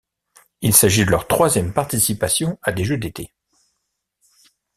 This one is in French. Il s'agit de leur troisième participation à des Jeux d'été.